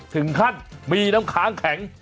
ถึงขั้นมีน้ำค้างแข็ง